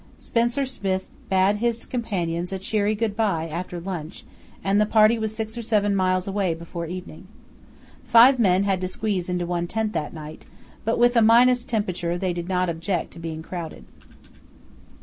Spencer Smith bade his companions a cheery good bye after lunch, and the party was six or seven miles away before evening. Five men had to squeeze into one tent that night, but with a minus temperature they did not object to being crowded.